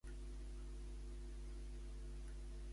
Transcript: Qui és el president de Turquia?